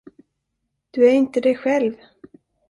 Du är inte dig själv.